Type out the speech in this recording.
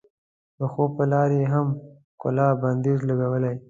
د خوب په لار یې هم ښکلا بندیز لګولی.